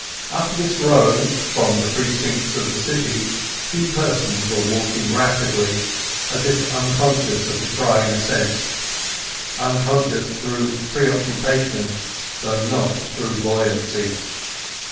Up this road from the precincts of the city two persons were walking rapidly, as if unconscious of the trying ascent—unconscious through preoccupation and not through buoyancy.